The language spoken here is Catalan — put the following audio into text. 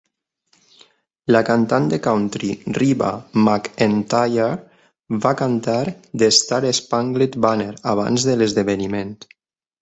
La cantant de country Reba McEntire va cantar "The Star-Spangled Banner" abans de l'esdeveniment.